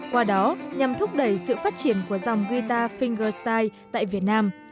qua đó nhằm thúc đẩy sự phát triển của dòng guitar fingerstyle tại việt nam